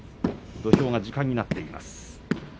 土俵が時間になっています。